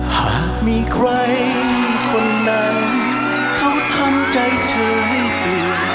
หากมีใครคนนั้นเขาทำใจเธอให้เปลี่ยน